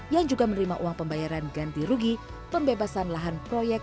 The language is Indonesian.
yang juga menerima uang pembayaran ganti rugi pembebasan lahan proyek